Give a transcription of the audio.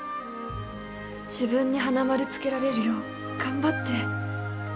自分に花丸つけられるよう頑張って